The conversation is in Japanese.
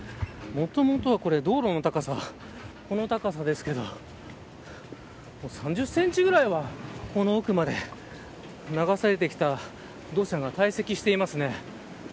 もともとは道路の高さこの高さですけど３０センチぐらいはこの奥まで流されてきた土砂が堆積していますね。